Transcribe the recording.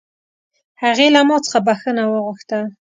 هغې له ما څخه بښنه وغوښته